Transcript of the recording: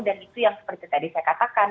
dan itu yang seperti tadi saya katakan